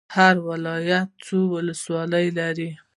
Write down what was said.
هر ولایت څو ولسوالۍ لري؟